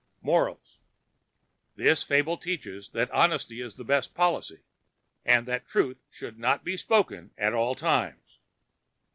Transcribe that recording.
MORALS: This Fable teaches that Honesty is the Best Policy, and that the Truth should not Be spoken at All Times.